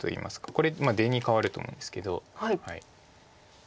これ出に換わると思うんですけど。